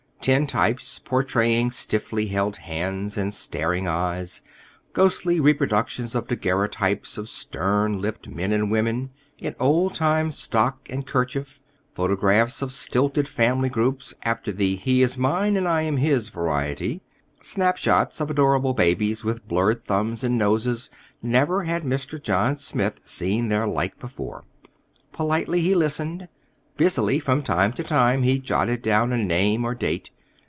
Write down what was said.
Tintypes, portraying stiffly held hands and staring eyes, ghostly reproductions of daguerreotypes of stern lipped men and women, in old time stock and kerchief; photographs of stilted family groups after the "he is mine and I am his" variety; snap shots of adorable babies with blurred thumbs and noses—never had Mr. John Smith seen their like before. Politely he listened. Busily, from time to time, he jotted down a name or date.